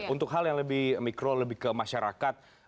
untuk hal yang lebih mikro lebih ke masyarakat